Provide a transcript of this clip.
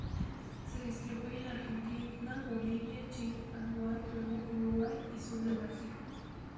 Se distribuye en Argentina, Bolivia, Chile, Paraguay, Perú, Uruguay y sur de Brasil.